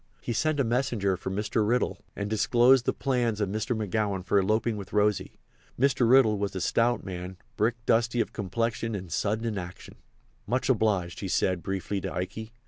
He sent a messenger for Mr. Riddle and disclosed the plans of Mr. McGowan for eloping with Rosy. Mr. Riddle was a stout man, brick dusty of complexion and sudden in action. "Much obliged," he said, briefly, to Ikey.